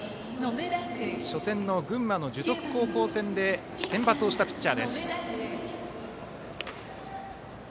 初戦の群馬の樹徳高校戦で先発をしたピッチャーです。